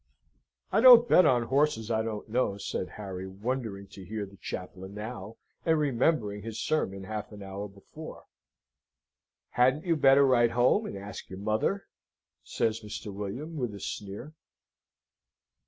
"I don't bet on horses I don't know," said Harry, wondering to hear the chaplain now, and remembering his sermon half an hour before. "Hadn't you better write home, and ask your mother?" says Mr. William, with a sneer.